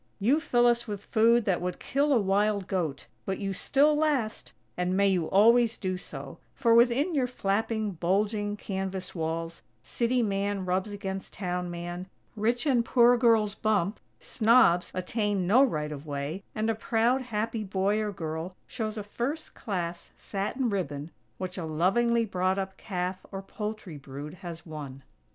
You fill us with food that would kill a wild goat, but you still last! And may you always do so; for, within your flapping, bulging canvas walls, city man rubs against town man, rich and poor girls bump, snobs attain no right of way, and a proud, happy boy or girl shows a "First Class" satin ribbon which a lovingly brought up calf or poultry brood has won.